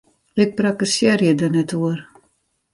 Ik prakkesearje der net oer!